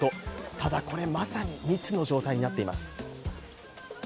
ただ、これまさに密の状態になっています。